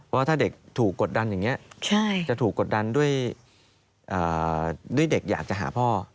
ว่าถ้าเด็กถูกกดดันอย่างนี้จะถูกกดดันด้วยเด็กอยากจะหาพ่อ